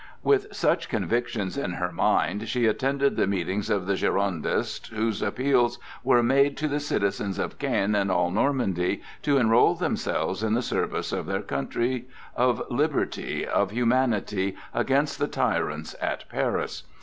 With such convictions in her mind she attended the meetings of the Girondists, where appeals were made to the citizens of Caen and all Normandy to enroll themselves in the service of their country, of liberty, of humanity, against the tyrants at Paris.